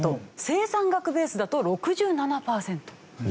生産額ベースだと６７パーセント。